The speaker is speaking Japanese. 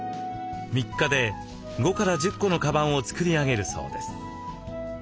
３日で５１０個のカバンを作り上げるそうです。